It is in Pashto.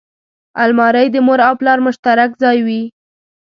الماري د مور او پلار مشترک ځای وي